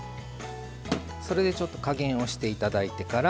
それでちょっと加減をして頂いてから。